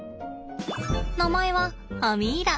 名前はアミ―ラ。